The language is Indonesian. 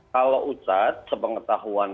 kalau ustadz sepengetahuan